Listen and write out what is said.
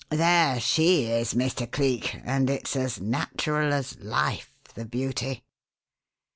There she is, Mr. Cleek; and it's as natural as life, the beauty!"